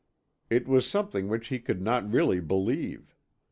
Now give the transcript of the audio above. It was something which he could not really believe.